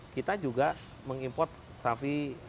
kita juga mengimport sapi